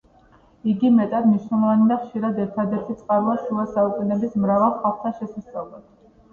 იგი მეტად მნიშვნელოვანი და ხშირად ერთადერთი წყაროა შუა საუკუნეების მრავალ ხალხთა შესასწავლად.